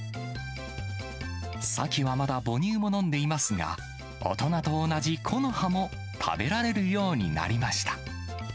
サキはまだ母乳も飲んでいますが、大人と同じ木の葉も食べられるようになりました。